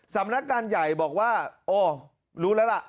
สำนักการใหญ่บอกว่าโอ้รู้แล้วล่ะ